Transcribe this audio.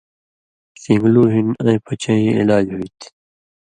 شِݩگلو ہِن اَيں پچَئیں علاج ہُوئ تھی